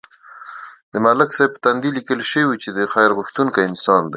د ملک صاحب په تندي لیکل شوي چې خیر غوښتونکی انسان دی.